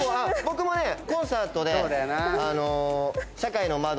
僕もねコンサートで。